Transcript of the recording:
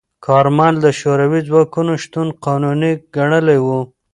کارمل د شوروي ځواکونو شتون قانوني ګڼلی و.